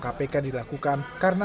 kpk dilakukan karena